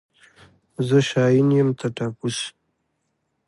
زه شاين يم ته ټپوس.